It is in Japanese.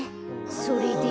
それで？